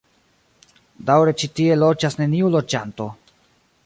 Daŭre ĉi tie loĝas neniu loĝanto.